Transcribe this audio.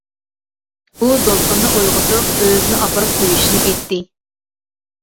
ئۇ دولقۇننى ئويغىتىپ ئۆزىنى ئاپىرىپ قۇيۇشىنى ئېيتتى.